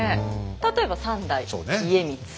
例えば３代家光。